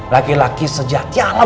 laki laki sejati alam